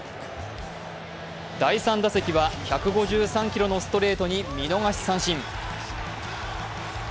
第３打席は１５３キロのストレートに見逃し三振。